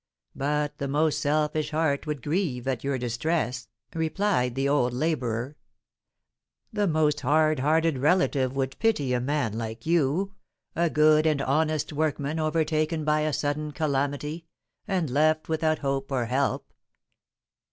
"But the most selfish heart would grieve at your distress," replied the old labourer. "The most hard hearted relative would pity a man like you a good and honest workman overtaken by a sudden calamity, and left without hope or help.